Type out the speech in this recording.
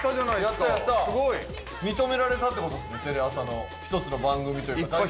すごい！認められたって事ですねテレ朝の１つの番組というか。